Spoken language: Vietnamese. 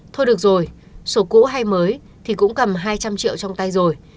thu được rồi sổ cũ hay mới thì cũng cầm hai trăm linh triệu trong tay rồi